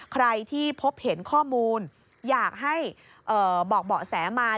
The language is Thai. ใครที่พบเห็นข้อมูลอยากให้บอกเบาะแสมา